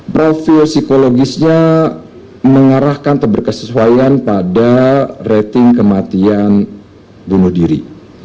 profil psikologisnya mengarahkan terberkesesuaian pada rating kematian bunuh diri